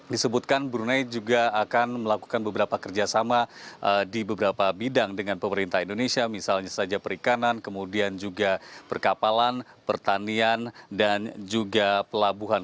disebutkan brunei juga akan melakukan beberapa kerjasama di beberapa bidang dengan pemerintah indonesia misalnya saja perikanan kemudian juga perkapalan pertanian dan juga pelabuhan